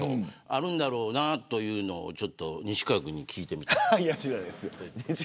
あるんだろうなというのを西川君に聞いてみたい。